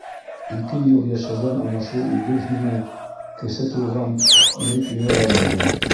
Ике йыл йәшәгән ана шул үгеҙ һиңә, Кесе Туған, ирек бирә лә инде.